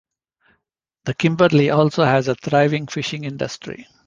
The Kimberley also has a thriving fishing industry.